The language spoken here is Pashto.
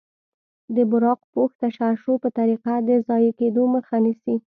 د براق پوښ تشعشع په طریقه د ضایع کیدو مخه نیسي.